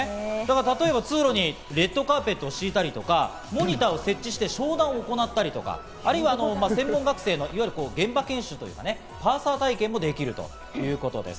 例えば通路にレッドカーペットを敷いたりとか、モニターを設置して商談を行ったり、あるいは専門学生の現場研修とか、パーサー体験もできるということなんです。